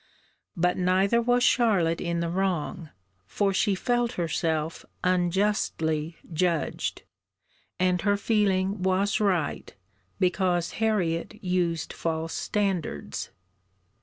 But neither was Charlotte in the wrong, for she felt herself unjustly judged; and her feeling was right, because Harriet used false standards.